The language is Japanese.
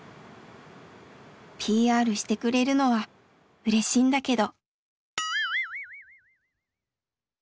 ＰＲしてくれるのはうれしいんだけど。